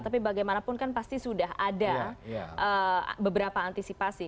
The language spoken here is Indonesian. tapi bagaimanapun kan pasti sudah ada beberapa antisipasi